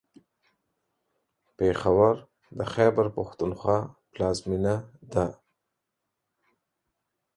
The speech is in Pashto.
پېښور د خیبر پښتونخوا پلازمېنه ده.